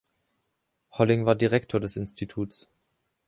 Holling war Direktor des Instituts.